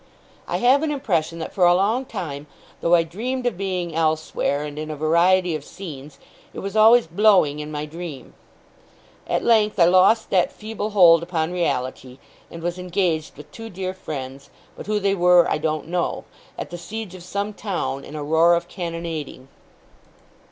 I have an impression that for a long time, though I dreamed of being elsewhere and in a variety of scenes, it was always blowing in my dream. At length, I lost that feeble hold upon reality, and was engaged with two dear friends, but who they were I don't know, at the siege of some town in a roar of cannonading.